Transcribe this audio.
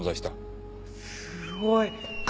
すごい！